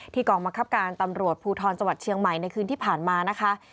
กองบังคับการตำรวจภูทรจังหวัดเชียงใหม่ในคืนที่ผ่านมานะคะ